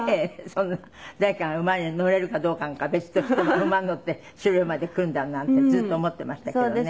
そんな誰かが馬に乗れるかどうかなんか別として馬に乗って白い馬で来るんだなんてずっと思ってましたけどね」